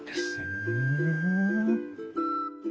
ふん。